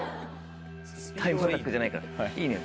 タイムアタックじゃないからね。